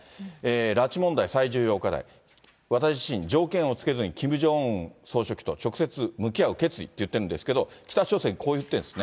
拉致問題、最重要課題、私自身、条件を付けずにキム・ジョンウン総書記と直接向き合う決意っていってるんですけど、北朝鮮、こう言ってるんですね。